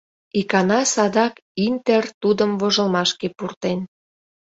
Икана садак «Интер» тудым вожылмашке пуртен.